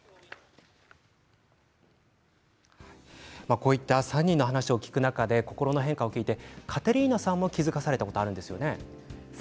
こういった３人の話を聞く中でカテリーナさんも気付かされたことがあるんですね。